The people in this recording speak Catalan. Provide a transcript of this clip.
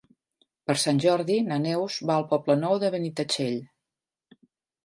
Per Sant Jordi na Neus va al Poble Nou de Benitatxell.